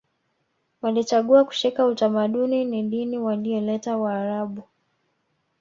Walichagua kushika utamaduni ni dini walioleta waarabu